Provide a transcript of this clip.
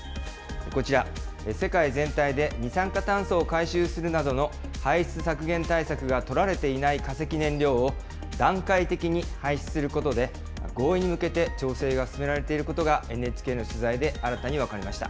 こちら、世界全体で二酸化炭素を回収するなどの排出削減対策が取られていない化石燃料を、段階的に廃止することで、合意に向けて調整が進められていることがＮＨＫの取材で新たに分かりました。